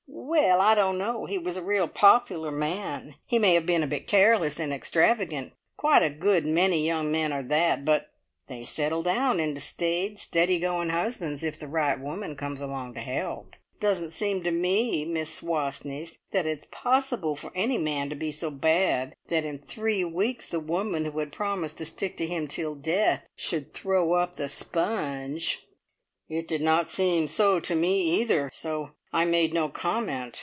"Well, I don't know. He was a real popular man. He may have been a bit careless and extravagant; quite a good many young men are that, but they settle down into staid, steady going husbands if the right woman comes along to help. Doesn't seem to me, Miss Wastneys, that it's possible for any man to be so bad, that in three weeks the woman who had promised to stick to him till death should throw up the sponge!" It did not seem so to me, either, so I made no comment.